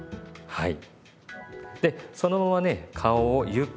はい。